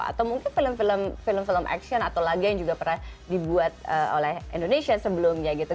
atau mungkin film film action atau laga yang juga pernah dibuat oleh indonesia sebelumnya gitu